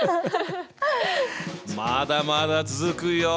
まだまだ続くよ！